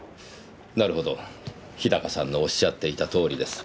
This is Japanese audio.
なるほど日高さんのおっしゃっていたとおりです。